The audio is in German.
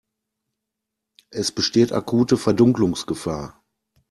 Es besteht akute Verdunkelungsgefahr.